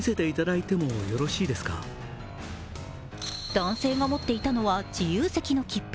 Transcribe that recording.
男性が持っていたのは自由席の切符。